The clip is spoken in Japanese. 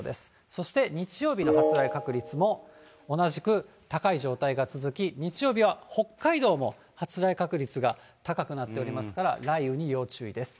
そして日曜日の発雷確率も、同じく高い状態が続き、日曜日は北海道も発雷確率が高くなっておりますから、雷雨に要注意です。